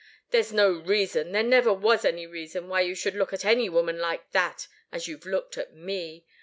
There's no reason, there never was any reason, why you should look at any woman like that as you've looked at me.